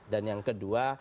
dan yang kedua